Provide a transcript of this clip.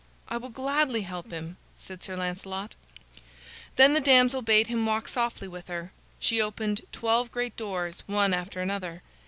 "I will gladly help him," said Sir Lancelot. Then the damsel bade him walk softly with her. She opened twelve great doors one after another.